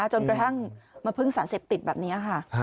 จนกระทั่งมาพึ่งสารเสพติดแบบนี้ค่ะ